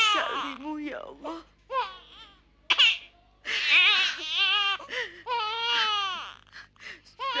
aku tidak akan memelihara matahari esok